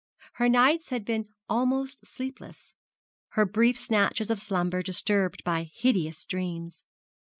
Her nights had been almost sleepless, her brief snatches of slumber disturbed by hideous dreams.